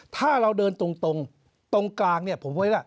ถ้าเราเดินตรงตรงกลางเนี่ยผมไว้ว่า